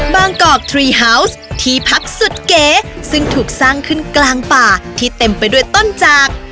กอกทรีฮาวส์ที่พักสุดเก๋ซึ่งถูกสร้างขึ้นกลางป่าที่เต็มไปด้วยต้นจาก